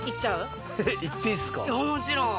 もちろん。